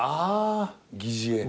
疑似餌。